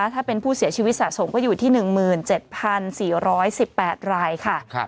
ถ้าเป็นผู้เสียชีวิตสะสมก็อยู่ที่๑๗๔๑๘รายค่ะ